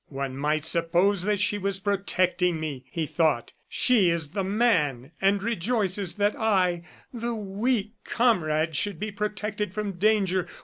"One might suppose that she was protecting me!" he thought. "She is the man and rejoices that I, the weak comrade, should be protected from danger.